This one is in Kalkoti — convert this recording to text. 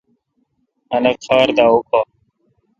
خلق خار دا اوکھا۔